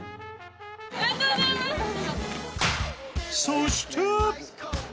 ［そして］